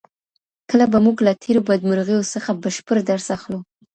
کله به موږ له تېرو بدمرغیو څخه بشپړ درس اخلو؟